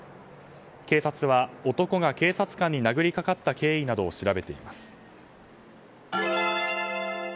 警察は、男が警察官に殴りかかった経緯などを調べています。